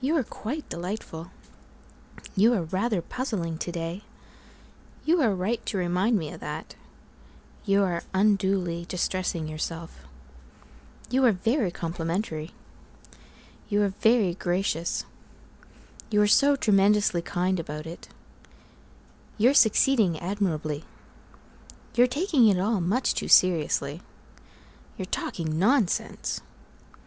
You are quite delightful You are rather puzzling to day You are right to remind me of that You are unduly distressing yourself You are very complimentary You are very gracious You're so tremendously kind about it You're succeeding admirably You're taking it all much too seriously You're talking nonsense!